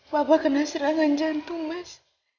bapak kena serangan jantung mas